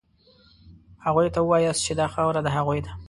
هغوی ته ووایاست چې دا خاوره د هغوی ده.